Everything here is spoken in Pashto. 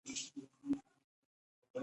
هېواد د باور انځور دی.